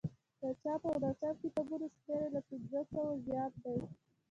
د چاپ او ناچاپ کتابونو شمېر یې له پنځوسو زیات دی.